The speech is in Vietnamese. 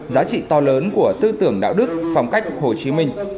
giá trị to lớn của tư tưởng đạo đức phong cách hồ chí minh